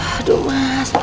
gue udah nganggap sama mbak